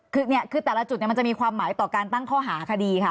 คือเนี่ยคือแต่ละจุดมันจะมีความหมายต่อการตั้งข้อหาคดีค่ะ